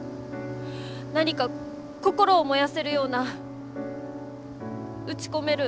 何か心を燃やせるような打ち込める